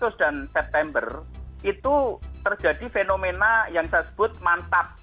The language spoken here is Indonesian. agustus dan september itu terjadi fenomena yang saya sebut mantap